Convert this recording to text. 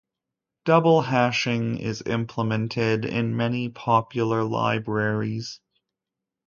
Double hashing is implemented in many popular libraries.